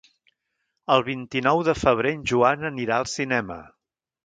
El vint-i-nou de febrer en Joan anirà al cinema.